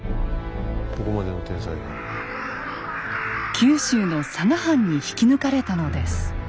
九州の佐賀藩に引き抜かれたのです。